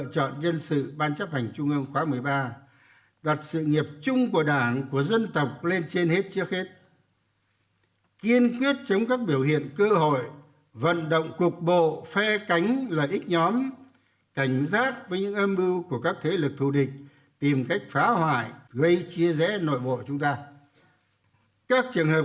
một mươi sáu trên cơ sở bảo đảm tiêu chuẩn ban chấp hành trung ương khóa một mươi ba cần có số lượng và cơ cấu hợp lý để bảo đảm sự lãnh đạo toàn diện